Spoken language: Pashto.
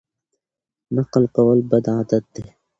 نقل کول بد عادت دی.